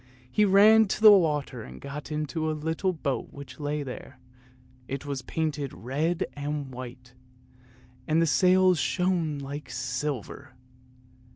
He ran to the water and got into a little boat which lay there, it was painted red and white, and the sails shone like silver.